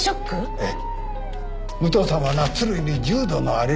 ええ。